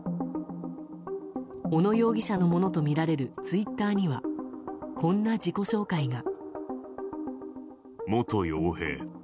小野容疑者のものとみられるツイッターにはこんな自己紹介が。